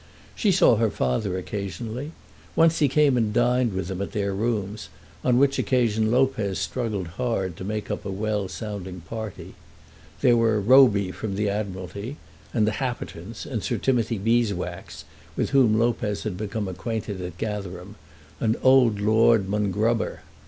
She saw her father occasionally. Once he came and dined with them at their rooms, on which occasion Lopez struggled hard to make up a well sounding party. There were Roby from the Admiralty, and the Happertons, and Sir Timothy Beeswax, with whom Lopez had become acquainted at Gatherum, and old Lord Mongrober.